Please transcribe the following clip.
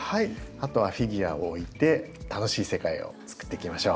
あとはフィギュアを置いて楽しい世界を作っていきましょう。